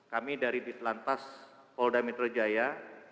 kami dari ditelantas polda metro jaya